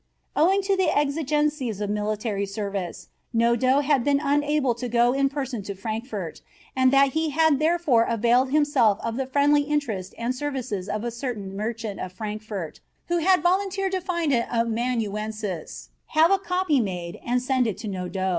Owing to the exigencies of military service, Nodot had been unable to go in person to Frankfort, and that he had therefore availed himself of the friendly interest and services of a certain merchant of Frankfort, who had volunteered to find an amanuensis, have a copy made, and send it to Nodot.